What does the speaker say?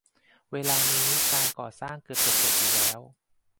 เวลานี้การก่อสร้างเกือบจะเสร็จอยู่แล้ว